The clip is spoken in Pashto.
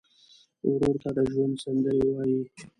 ورور ته د ژوند سندرې وایې.